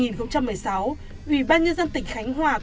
năm hai nghìn một mươi sáu ủy ban nhân dân tỉnh khánh hòa